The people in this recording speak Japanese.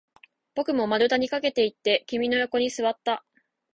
僕も丸太に駆けていって、君の横に座った